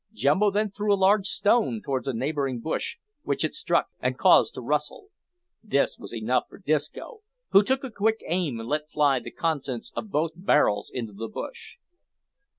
Jumbo then threw a large stone towards a neighbouring bush, which it struck and caused to rustle. This was enough for Disco, who took a quick aim, and let fly the contents of both barrels into the bush.